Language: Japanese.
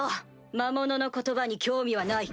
魔物の言葉に興味はない。